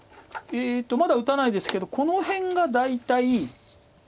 まだ打たないですけどこの辺が大体。